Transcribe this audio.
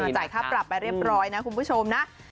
จ่ายค่าปรับไปเรียบร้อยนะคุณผู้ชมนะ